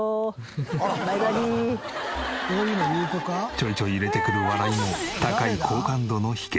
ちょいちょい入れてくる笑いも高い好感度の秘訣。